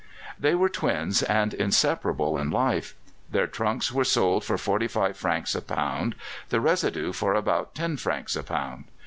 They were twins and inseparables in life. Their trunks were sold for 45 francs a pound, the residue for about 10 francs a pound.